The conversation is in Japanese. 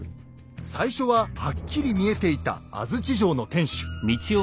最初ははっきり見えていた安土城の天主。